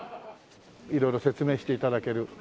色々説明して頂ける。